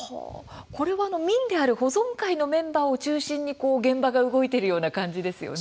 これは民である保存会のメンバーを中心に現場が動いているような感じですね。